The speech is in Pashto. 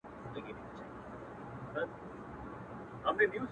د هغوی څټ د جبرائيل د لاس لرگی غواړي؛؛